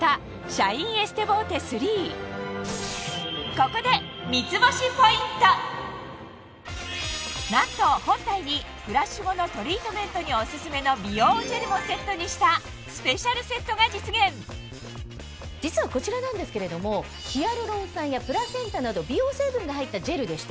・ここでなんと本体にフラッシュ後のトリートメントにオススメの美容ジェルもセットにした実はこちらなんですけれどもヒアルロン酸やプラセンタなど美容成分が入ったジェルでして。